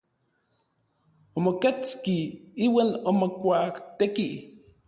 Omoketski iuan omokuaatekij.